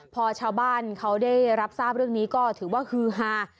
พอชาวบ้านเขาได้รับทราบเรื่องนี้ก็ถือว่าฮือฮา